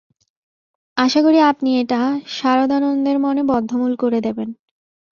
আশা করি, আপনি এটা সারদানন্দের মনে বদ্ধমূল করে দেবেন।